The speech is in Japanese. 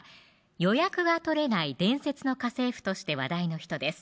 「予約がとれない伝説の家政婦」として話題の人です